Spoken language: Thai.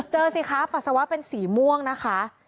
สิคะปัสสาวะเป็นสีม่วงนะคะ